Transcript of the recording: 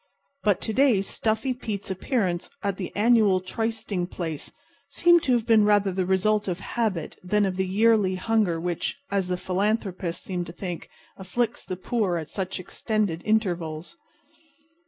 But to day Stuffy Pete's appearance at the annual trysting place seemed to have been rather the result of habit than of the yearly hunger which, as the philanthropists seem to think, afflicts the poor at such extended intervals.